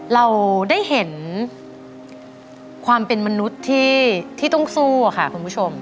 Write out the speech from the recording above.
เราได้เห็นความเป็นมนุษย์ที่ต้องสู้ค่ะคุณผู้ชม